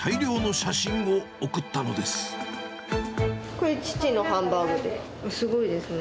これ、父のハンバーグで、すごいですね。